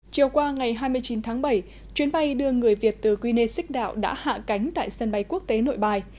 chiều qua ngày hai mươi chín tháng bảy chuyến bay đưa người việt từ guinea xích đạo đã hạ cánh tại sân bay quốc tế nội bài